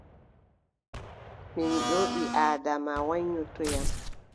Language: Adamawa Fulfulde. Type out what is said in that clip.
Min ɗo, ɓii-Aadama waƴƴotoyam.